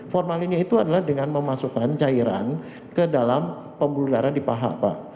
formalinnya itu adalah dengan memasukkan cairan ke dalam pembuluh darah di paha pak